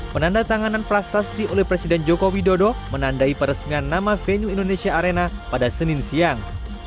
penanda tanganan prastasti oleh presiden joko widodo menandai peresmian nama venue indonesia arena pada senin siang